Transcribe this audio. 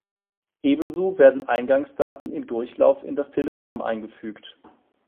Ebenso werden Eingangsdaten im Durchlauf in das Telegramm eingefügt.